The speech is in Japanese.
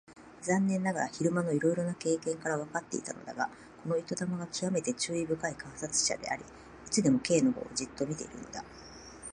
残念ながら昼間のいろいろな経験からわかっていたのだが、この糸玉がきわめて注意深い観察者であり、いつでも Ｋ のほうをじっと見ているのだ。